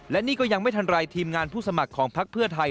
และนี่ก็ยังไม่ทันไรทีมงานผู้สมัครของพักเพื่อไทย